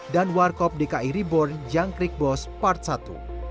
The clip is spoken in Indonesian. dan warkop dki reborn jangkrik boss part satu